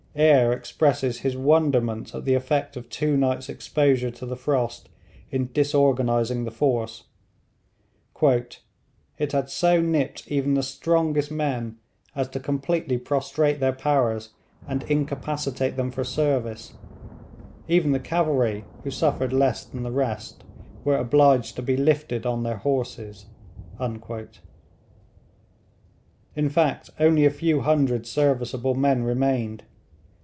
Eyre expresses his wonderment at the effect of two nights' exposure to the frost in disorganising the force. 'It had so nipped even the strongest men as to completely prostrate their powers and incapacitate them for service; even the cavalry, who suffered less than the rest, were obliged to be lifted on their horses.' In fact, only a few hundred serviceable men remained.